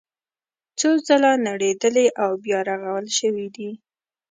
څو ځله نړېدلي او بیا رغول شوي دي.